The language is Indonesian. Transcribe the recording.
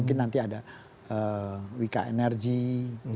jadi nanti ada wika energy gitu